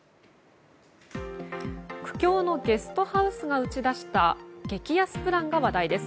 苦境のゲストハウスが打ち出した激安プランが話題です。